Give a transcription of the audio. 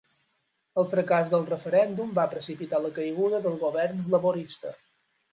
El fracàs del referèndum va precipitar la caiguda del govern laborista.